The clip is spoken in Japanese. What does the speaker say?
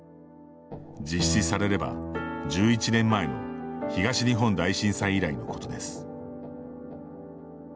実施されれば、１１年前の東日本大震災以来のことです。